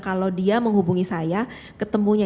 kalau dia menghubungi saya ketemunya